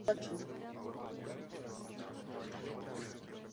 Díky svým kontaktům získal pracovní místo v zemědělském družstvu "Rozvoj".